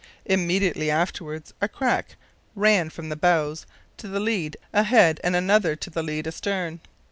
Immediately afterwards a crack ran from the bows to the lead ahead and another to the lead astern.